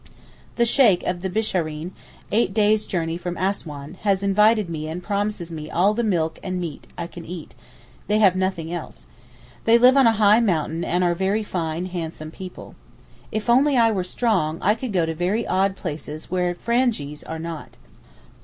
The Sheykh of the Bishareen—eight days' journey from Assouan has invited me and promises me all the meat and milk I can eat, they have nothing else. They live on a high mountain and are very fine handsome people. If only I were strong I could go to very odd places where Frangees are not.